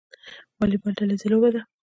والیبال ډله ییزه لوبه ده